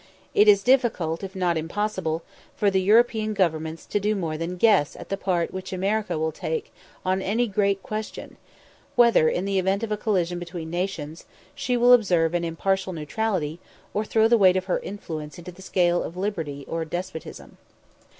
It is difficult, if not impossible, for the European governments to do more than guess at the part which America will take on any great question whether, in the event of a collision between nations, she will observe an impartial neutrality, or throw the weight of her influence into the scale of liberty or despotism.